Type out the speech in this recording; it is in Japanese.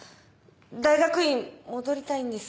大学院戻りたいんです。